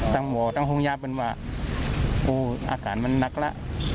ตั้งหมอตั้งโฮงยาเป็นว่าโอ้ยอาการมันนักละ